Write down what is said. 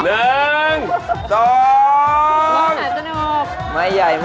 หนึ่งสองไม่ใหญ่